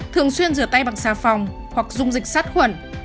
thường xuyên rửa tay bằng xà phòng hoặc dung dịch sát khuẩn